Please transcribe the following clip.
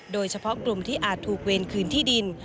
โดยเฉพาะกลุ่มที่อาจถูกเวรคืนที่ดิน